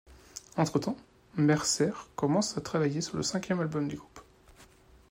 Entretemps, Mercer commence à travailler sur le cinquième album du groupe.